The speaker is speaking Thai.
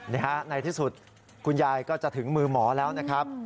นี่ฮะในที่สุดคุณยายก็จะถึงมือหมอแล้วนะครับ